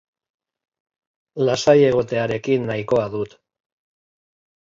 Lasai egotearekin nahikoa dut.